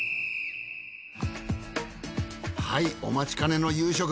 はいお待ちかねの夕食。